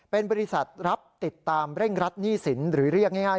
เป็นบริษัทรับติดตามเร่งรัดหนี้สินหรือเรียกง่าย